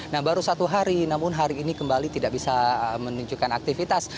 nah baru satu hari namun hari ini kembali tidak bisa menunjukkan aktivitas